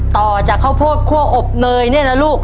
ต่อจากข้าวโพดคั่วอบเนยเนี่ยนะลูก